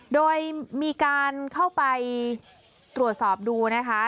โดยมีการเข้าไปตรวจสอบดูนะคะ